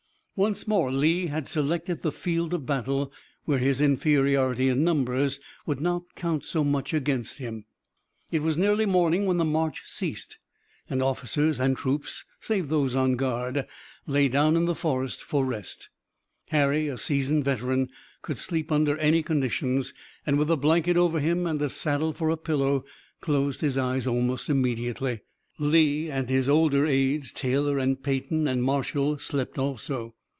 Once more Lee had selected the field of battle, where his inferiority in numbers would not count so much against him. It was nearly morning when the march ceased, and officers and troops, save those on guard, lay down in the forest for rest. Harry, a seasoned veteran, could sleep under any conditions and with a blanket over him and a saddle for a pillow closed his eyes almost immediately. Lee and his older aides, Taylor and Peyton and Marshall, slept also.